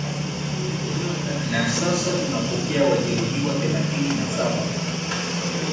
na sasa tunapokea wajeruhiwa thelathini na saba